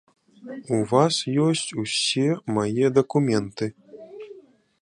У вас ёсць усе мае дакументы.